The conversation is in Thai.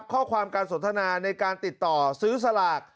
ข้อความการสนทนาในการติดต่อซื้อสลาก